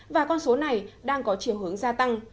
và con số này đang có chiều hướng gia tăng